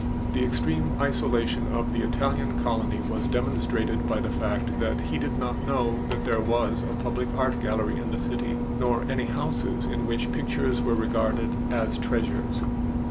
The extreme isolation of the Italian colony was demonstrated by the fact that he did not know that there was a public art gallery in the city nor any houses in which pictures were regarded as treasures.